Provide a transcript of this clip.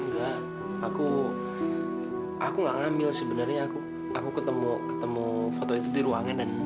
gak apa apa ambil aja